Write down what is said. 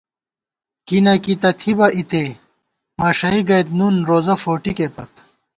کی نہ کی تہ تھِبہ اِتےمݭَئ گئیت نُون روزہ فوٹِکےپت